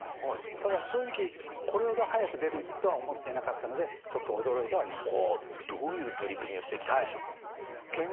ただ正直これほど早く出るとは思っていなかったのでちょっと驚いてはいます。